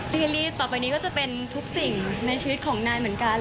เฮลรี่ต่อไปนี้ก็จะเป็นทุกสิ่งในชีวิตของนายเหมือนกัน